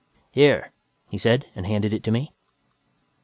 "Here," he said, and handed it to me.